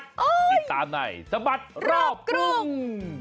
ติดตามในสบัดรอบกรุง